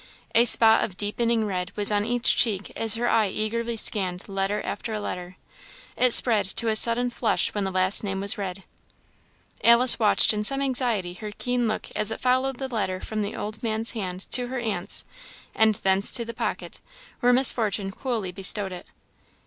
A spot of deepening red was on each cheek as her eye eagerly scanned letter after letter; it spread to a sudden flush when the last name was read. Alice watched in some anxiety her keen look as it followed the letter from the old man's hand to her aunt's, and thence to the pocket, where Miss Fortune coolly bestowed it.